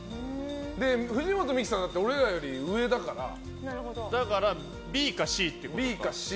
藤本美貴さんは俺らより上だからだから、ＢかＣってことか。